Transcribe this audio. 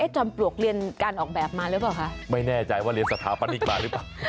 จอมปลวกเรียนการออกแบบมาหรือเปล่าคะไม่แน่ใจว่าเรียนสถาปนิกมาหรือเปล่า